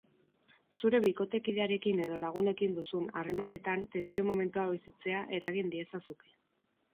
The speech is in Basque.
Zure bikotekidearekin edo lagunekin duzun harremanetan tentsio momentua bizitzea eragin diezazuke.